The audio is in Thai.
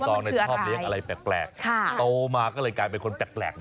น้องใบตองชอบเลี้ยงอะไรแปลกโตมาก็เลยกลายเป็นคนแปลกดังนั้น